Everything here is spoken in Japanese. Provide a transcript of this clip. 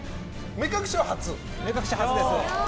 目隠し初です。